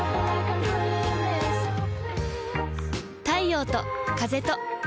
太陽と風と